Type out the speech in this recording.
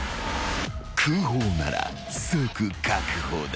［空砲なら即確保だ］